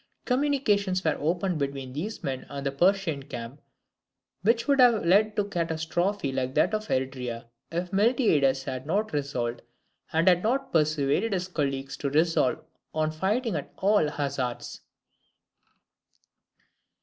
Communications were opened between these men and the Persian camp, which would have led to a catastrophe like that of Eretria, if Miltiades had not resolved, and had not persuaded his colleagues to resolve, on fighting at all hazards.